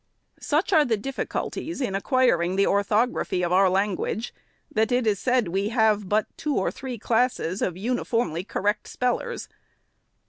Such are the difficulties in acquiring the orthography of our language, that it is said we have but two or three classes of uniformly correct spellers.